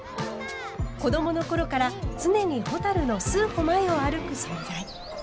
子どもの頃から常にほたるの数歩前を歩く存在。